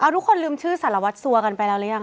ทุกคนลืมชื่อสารวัติซัวร์กันไปแล้วยัง